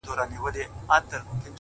په دې ورځو کې مو